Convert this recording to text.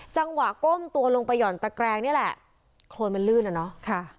จังหวะก้มตัวลงไปห่อนตะแกรงนี่แหละโครนมันลื่นอ่ะเนอะค่ะ